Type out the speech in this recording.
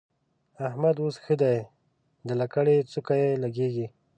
احمد اوس ښه دی؛ د لکړې څوکه يې لګېږي.